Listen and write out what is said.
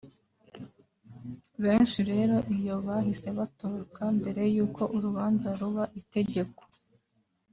Benshi rero iyo bahise batoroka mbere y’uko urubanza ruba itegeko